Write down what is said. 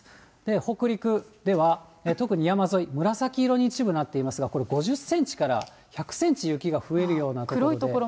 北陸では、特に山沿い、紫色に一部なっていますが、これ、５０センチから１００センチ雪が増えるような。